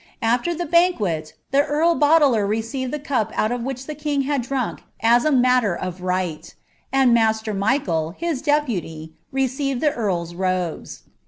After the banquet, tlie arl boteler received the cup out of which the king had drunk as a antter of right ; and Master Michael, his deputy, received the earPs robes.